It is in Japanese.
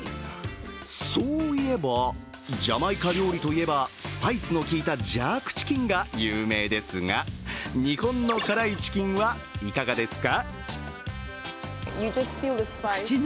そういえば、ジャマイカ料理といえば、スパイスの効いたジャークチキンが有名ですが日本の辛いチキンはいかがですか？